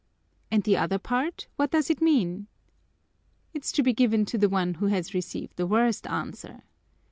"And the other part, what does it mean?" "It's to be given to the one who has received the worst answer."